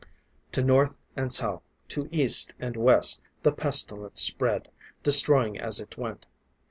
To North and South, to East and West, the pestilence spread, destroying as it went.